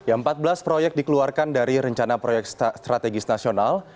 ya empat belas proyek dikeluarkan dari rencana proyek strategis nasional